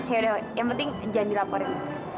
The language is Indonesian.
yaudah yang penting jangan dilaporin